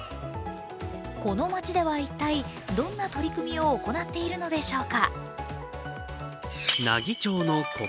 この町では、一体どんな取り組みを行っているのでしょうか。